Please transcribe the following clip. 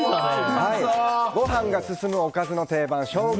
ご飯が進むおかずの定番ショウガ